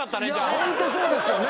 ホントそうですよね